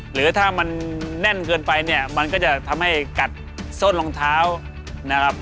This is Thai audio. หรือถ้ามันแน่นเกินไปเนี่ยมันก็จะทำให้กัดส้นรองเท้านะครับ